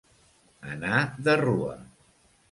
Anar de rua.